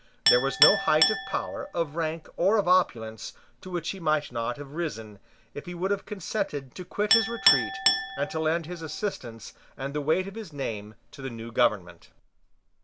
There was no height of power, of rank, or of opulence, to which he might not have risen, if he would have consented to quit his retreat, and to lend his assistance and the weight of his name to the new government.